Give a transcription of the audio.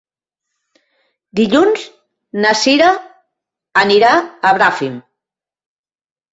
Dilluns na Cira anirà a Bràfim.